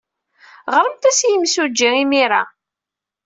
Ɣremt-as i yimsujji imir-a.